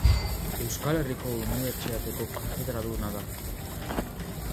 Euskal Herriko Unibertsitateko katedraduna da.